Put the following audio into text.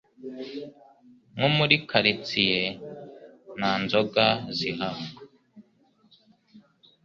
nko muri karitsiye nta nzoga zihaba